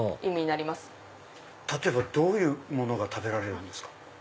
なるほど例えばどういうものが食べられるんですか？